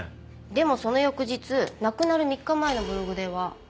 でもその翌日亡くなる３日前のブログでは。